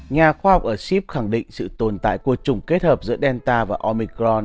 nhà khoa học ở shib khẳng định sự tồn tại của chủng kết hợp giữa delta và omicron